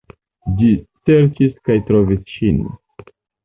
Ĝi serĉis kaj trovis ŝin.